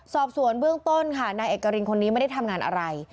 สอบสวนเบื้องต้นค่ะนายเอกรินคนนี้ไม่ได้ทำงานอะไร